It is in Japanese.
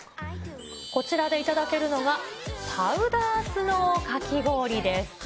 こちらで頂けるのが、パウダースノーかき氷です。